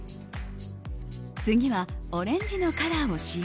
次はオレンジのカラーを使用。